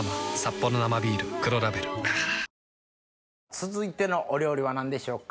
続いてのお料理は何でしょうか？